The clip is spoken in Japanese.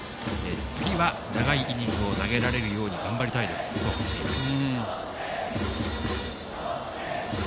次は長いイニングを投げられるように頑張りたいですと話しています。